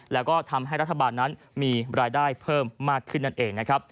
และทำให้รัฐบาลนั้นมีรายได้เพิ่มมากขึ้นนั่น